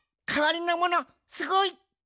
かわりのものすごい！